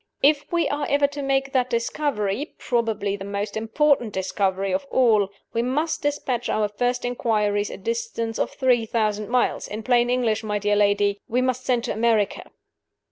If we are ever to make that discovery probably the most important discovery of all we must dispatch our first inquiries a distance of three thousand miles. In plain English, my dear lady, we must send to America."